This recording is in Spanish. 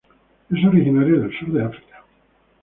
Es originario del sur de África.